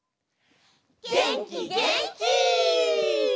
げんきげんき！